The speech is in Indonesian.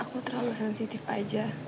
aku terlalu sensitif aja